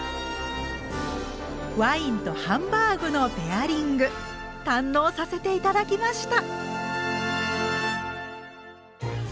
ワインとハンバーグのペアリング堪能させて頂きました！